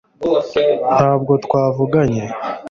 ntabwo twavuganye